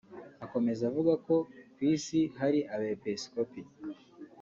Akomeza avuga ko ku isi hari abepesikopi